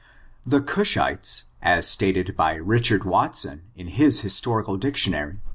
The Cushites, as stated by Richard Watson, in his Historical Dictionary, p.